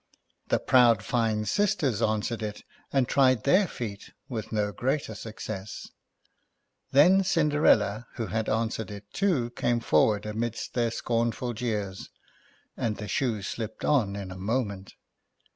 The proud fine sisters answered it, and tried their feet with no greater success. Then, Cinderella, who had answered it too, came forward amidst their scornful jeers, and the shoe slipped on in a moment.